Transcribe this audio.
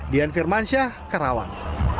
dian firmansyah kerawang